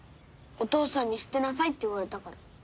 お父さんに捨てなさいって言われたから。